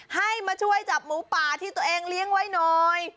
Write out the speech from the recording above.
ให้มาช่วยจับหมูป่าที่ตัวเองเลี้ยงไว้หน่อย